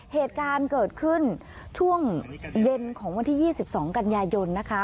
เหตุการณ์เกิดขึ้นช่วงเย็นของวันที่๒๒กันยายนนะคะ